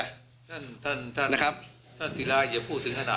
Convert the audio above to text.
ท่านสิราอย่าพูดถึงขนาดนี้